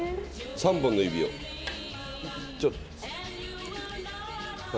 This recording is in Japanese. ３本の指をちょっと。